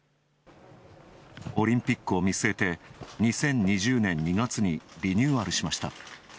オリンピックを見据えて、２０２０年２月にリニューアルしました。